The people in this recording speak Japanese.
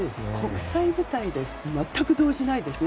国際舞台で全く動じないですよね。